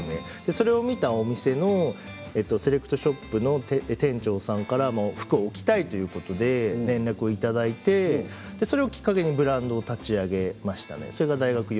それを見たお店のセレクトショップの店長さんから服を置きたいということで連絡をいただいてそれをきっかけにブランドを立ち上げましたね。